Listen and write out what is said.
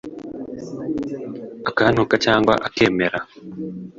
akantuka cyangwa akemera